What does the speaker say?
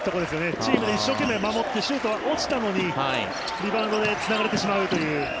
チーム、一生懸命守ってシュートは落ちたのにリバウンドでつながれてしまうという。